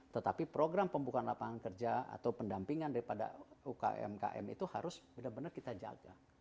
tetapi program pembukaan lapangan pekerjaan atau pendampingan dari umkm itu harus kita jaga